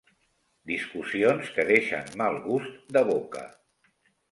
Discussions que deixen mal gust de boca.